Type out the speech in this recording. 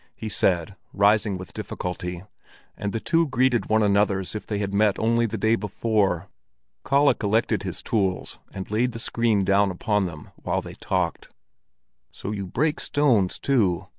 he said, rising with difficulty; and the two greeted one another as if they had met only the day before. Kalle collected his tools and laid the screen down upon them while they talked. "So you break stones too?